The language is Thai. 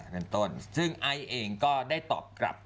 เป็นต้นซึ่งไอซ์เองก็ได้ตอบกลับ